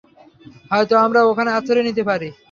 হয়তো আমরা ওখানে আশ্রয় নিতে পারি।